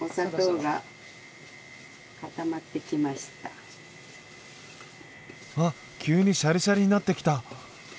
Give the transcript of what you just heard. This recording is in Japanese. うわっ急にシャリシャリになってきた！